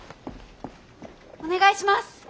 お願いします！